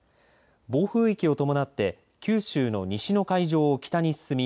暴風域を伴って九州の西の海上を北に進み